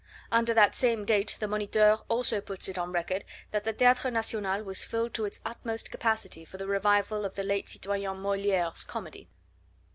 Under that same date the Moniteur also puts it on record that the Theatre National was filled to its utmost capacity for the revival of the late citoyen Moliere's comedy.